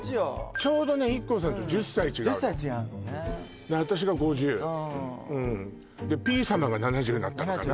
ちょうどねＩＫＫＯさんと１０歳違うの私が５０うんでピー様が７０になったのかな